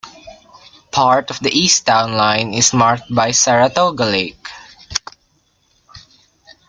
Part of the east town line is marked by Saratoga Lake.